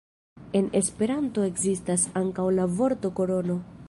En Esperanto ekzistas ankaŭ la vorto korono.